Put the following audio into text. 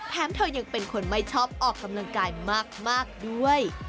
เธอยังเป็นคนไม่ชอบออกกำลังกายมากด้วย